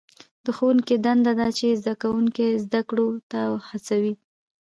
د ښوونکي دنده ده چې زده کوونکي زده کړو ته هڅوي.